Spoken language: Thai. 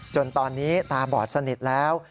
จนตอนนี้ตาบอดสนิทแล้ว